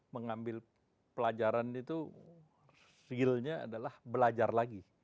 mengambil pelajaran itu feelnya adalah belajar lagi